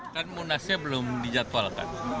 kan munasnya belum dijadwalkan